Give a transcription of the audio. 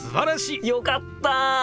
よかった！